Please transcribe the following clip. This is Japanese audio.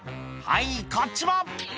「はいこっちも！」